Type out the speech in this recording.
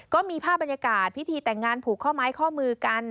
ก็มีภาพบรรยากาศพิธีแต่งงานผูกข้อไม้ข้อมือกัน